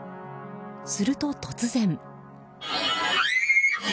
すると突然。